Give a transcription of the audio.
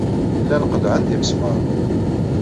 Llan qellɛen-d imesmaṛen.